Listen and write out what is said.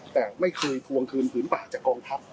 แต่ไม่เคยทวงคืนผืนป่าจากกองทัพ